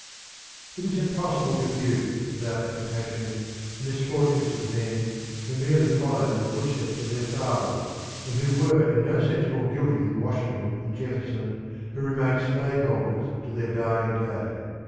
It is impossible to view without compassion the misfortunes of men who merely followed in the footsteps of their fathers, and were in no sense more guilty than Washington and Jefferson, who remained slaveholders to their dying day.